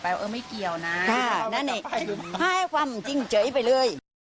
แม้กำลังลับอยู่เลย